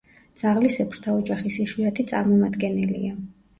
ძაღლისებრთა ოჯახის იშვიათი წარმომადგენელია.